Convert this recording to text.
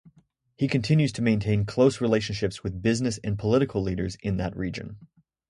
He continues to maintain close relationships with business and political leaders in that region.